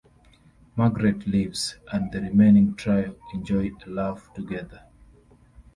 Margaret leaves and the remaining trio enjoy a laugh together.